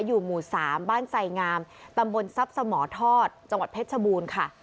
อยู่หมู่๓บ้านไส่งามปังบลซับสมอทอดจังหวัดเพชรบูรณ์ค่ะ